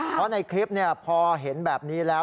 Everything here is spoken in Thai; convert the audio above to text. เพราะในคลิปพอเห็นแบบนี้แล้ว